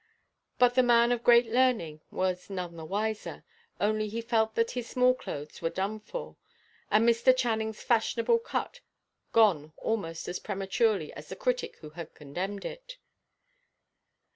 But the man of great learning was none the wiser, only he felt that his smallclothes were done for, and Mr. Channingʼs fashionable cut gone almost as prematurely as the critic who had condemned it.